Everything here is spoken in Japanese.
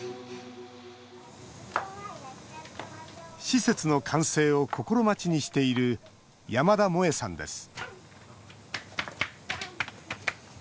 施設の完成を心待ちにしている山田萌絵さんです